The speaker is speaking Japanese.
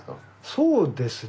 そうですね。